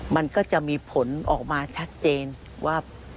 มันก็จะมีผลออกมาชัดเจนว่า